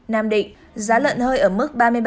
nam định giá lợn hơi ở mức